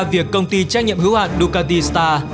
việc công ty trách nhiệm hữu hạn ducati star